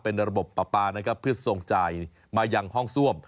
เป็นระบบปป้าพื้นส่งจ่ายมายั่งห้องซ่วม